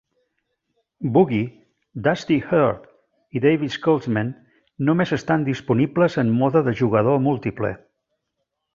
Boogie, Dusty Earth, i Dave's Cultsmen només estan disponibles en mode de jugador múltiple.